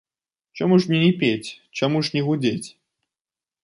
Чаму ж мне не пець, чаму ж не гудзець?